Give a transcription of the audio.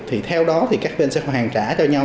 thì theo đó thì các bên sẽ hoàn trả cho nhau